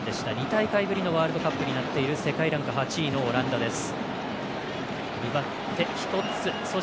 ２大会ぶりのワールドカップになっている世界ランク８位のオランダです。